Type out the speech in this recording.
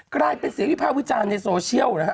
กลายเป็นเสียงวิพาวิจารณ์ในโซเชียลนะฮะ